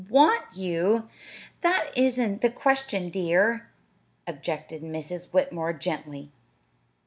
"Want you! That isn't the question, dear," objected Mrs. Whitmore gently.